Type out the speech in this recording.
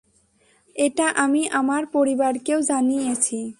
এটা আমি আমার পরিবারকেও জানিয়েছি।